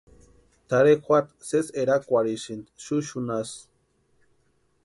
Tʼarhe juata sésï eraakwarhisïnti xuxunasï.